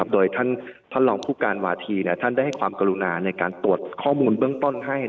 โดยท่านรองผู้การวาธีท่านได้ให้ความกรุณาในการตรวจข้อมูลเบื้องต้นให้